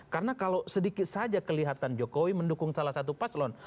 karena kalau sedikit saja kelihatan jokowi mendukung salah satu paslon